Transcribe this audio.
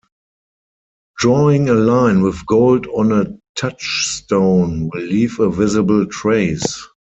Drawing a line with gold on a touchstone will leave a visible trace.